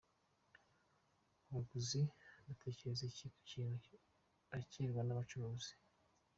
Abaguzi batekereza iki ku kuntu bakirwa n’abacuruzi?.